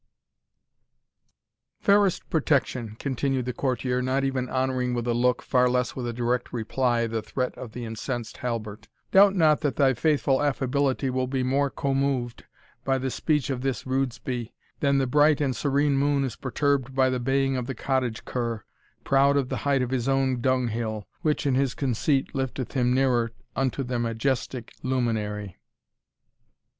"Fairest Protection," continued the courtier, not even honouring with a look, far less with a direct reply, the threat of the incensed Halbert, "doubt not that thy faithful Affability will be more commoved by the speech of this rudesby, than the bright and serene moon is perturbed by the baying of the cottage cur, proud of the height of his own dunghill, which, in his conceit, lifteth him nearer unto the majestic luminary."